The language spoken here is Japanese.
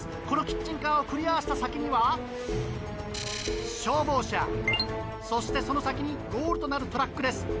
このキッチンカーをクリアした先には消防車そしてその先にゴールとなるトラックです。